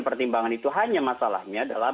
pertimbangan itu hanya masalahnya adalah